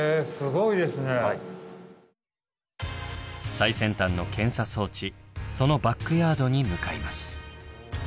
最先端の検査装置そのバックヤードに向かいます。